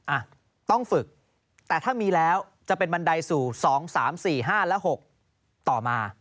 อ่ะต้องฝึกแต่ถ้ามีแล้วจะเป็นบันไดสู่๒๓๔๕และ๖ต่อมา